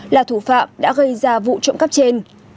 là thủ phạm đã gây ra vụ trộm cắp trên